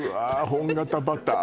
「本型バター」